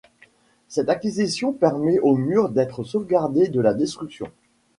Cette acquisition permet aux murs d'être sauvegardés de la destruction.